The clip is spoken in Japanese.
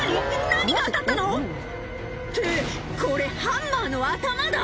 何が当たったの⁉ってこれハンマーの頭だ！